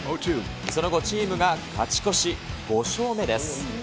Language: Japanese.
その後、チームが勝ち越し、５勝目です。